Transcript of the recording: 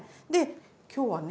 今日はね